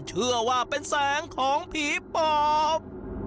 เชื่อว่าเป็นแสงของผีปอบ